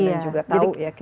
dan juga tahu ya